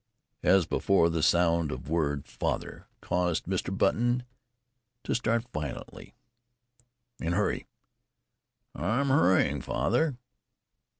As before, the sound of the word "father" caused Mr. Button to start violently. "And hurry." "I'm hurrying, father."